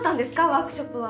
ワークショップは。